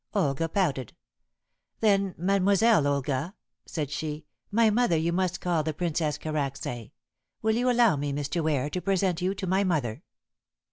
Olga pouted. "Then, Mademoiselle Olga," said she, "my mother you must call the Princess Karacsay. Will you allow me, Mr. Ware, to present you to my mother?"